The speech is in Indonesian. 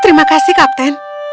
terima kasih kapten